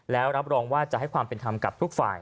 แล้วรับรองว่าจะให้ความเป็นธรรมกับทุกฝ่าย